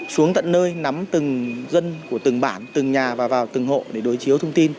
xuống tận nơi nắm từng dân của từng bản từng nhà và vào từng hộ để đối chiếu thông tin